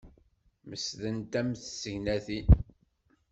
Mesdent am tsegnatin.